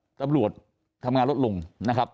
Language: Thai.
ตำรวจทำงานลดลงนะครับ